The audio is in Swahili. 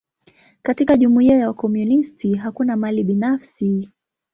Katika jumuia ya wakomunisti, hakuna mali binafsi.